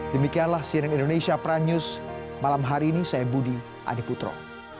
demikianlah siren indonesia pranews malam hari ini saya budi adiputro